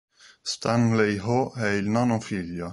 Stanley Ho è il nono figlio.